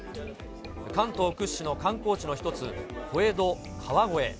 関東屈指の観光地の１つ、小江戸・川越。